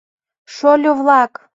— Шольо-влак!